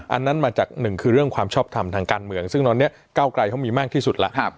อันนั้นมาจากหนึ่งคือเรื่องความชอบทำทางการเมืองซึ่งตอนนี้เก้าไกลเขามีมากที่สุดแล้ว